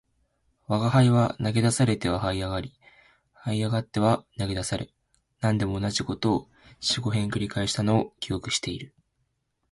吾輩は投げ出されては這い上り、這い上っては投げ出され、何でも同じ事を四五遍繰り返したのを記憶している